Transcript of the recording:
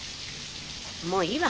もういいわ。